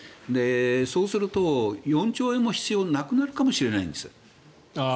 そうすると４兆円も必要なくなるかもしれないんです。